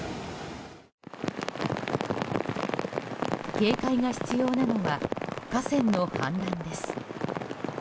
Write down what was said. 警戒が必要なのは河川の氾濫です。